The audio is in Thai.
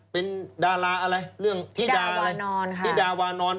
เป็นดาราอะไรเรื่องที่ดาวานอน